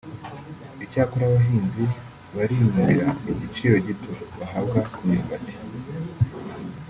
Icyakora abahinzi barinubira igiciro gito bahabwa ku myumbati